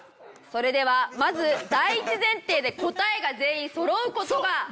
それではまず第一前提で答えが全員そろう事が。